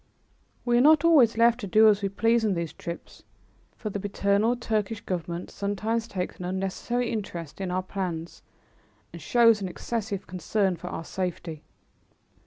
We are not always left to do as we please on these trips, for the paternal Turkish Government sometimes takes an unnecessary interest in our plans and shows an excessive concern for our safety.